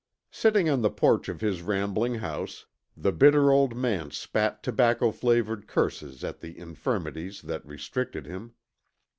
Sitting on the porch of his rambling house, the bitter old man spat tobacco flavored curses at the infirmities that restricted him.